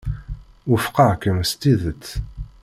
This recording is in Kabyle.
Wufqeɣ-kem s tidet.